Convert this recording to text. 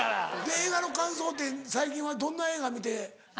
映画の感想って最近はどんな映画見て？